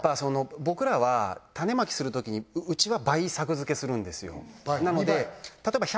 僕らは種まきするときにうちは倍作付けするんですよ。